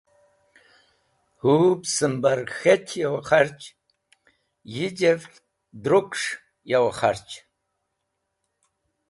Hũb simbar k̃hech yow kharch, yi jeft druks̃h yow kharch.